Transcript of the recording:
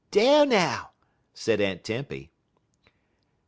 "Dar now!" said Aunt Tempy.